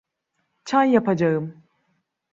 Çay yapacağım.